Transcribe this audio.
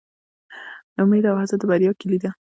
امید او هڅه د بریا کیلي ده